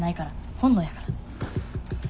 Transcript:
本能やから。